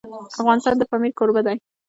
افغانستان د پامیر کوربه دی.